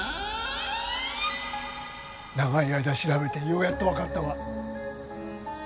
長い間調べてようやっと分かったわ